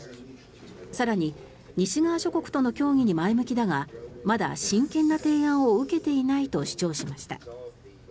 更に西側諸国との協議に前向きだがまだ真剣な提案を受けていないと主張しました。